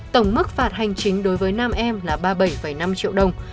tổng mức phạt hành chính đối với nam em là ba mươi bảy năm triệu đồng